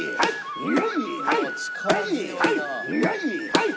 はい！